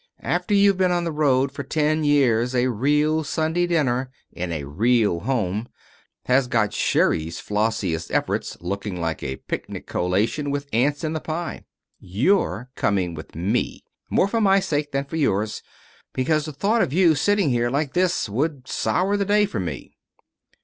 After you've been on the road for ten years a real Sunday dinner in a real home has got Sherry's flossiest efforts looking like a picnic collation with ants in the pie. You're coming with me, more for my sake than for yours, because the thought of you sitting here, like this, would sour the day for me."